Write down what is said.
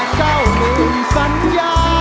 เจ้าหนุ่มสัญญา